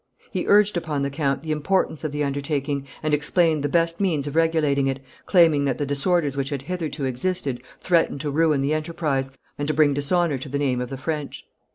He urged upon the count the importance of the undertaking, and explained the best means of regulating it, claiming that the disorders which had hitherto existed threatened to ruin the enterprise, and to bring dishonour to the name of the French.